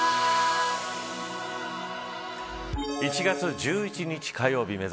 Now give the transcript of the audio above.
１月１１日火曜日